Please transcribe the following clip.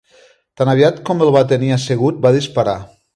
Tan aviat com el va tenir assegut va disparar.